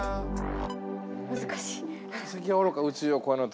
難しい。